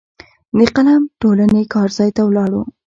د قلم ټولنې کار ځای ته ولاړو.